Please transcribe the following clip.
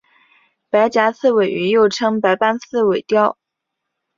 白颊刺尾鱼又称白斑刺尾鲷。